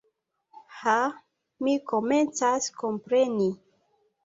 Ha, mi komencas kompreni.